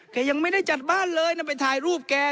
ยังไม่ได้จัดบ้านเลยนะไปถ่ายรูปแก